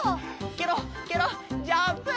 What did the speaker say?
ケロッケロッジャンプ！